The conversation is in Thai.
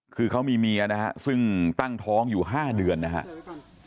คือเขามีเมียนะฮะซึ่งตั้งท้องอยู่๕เดือนนะครับ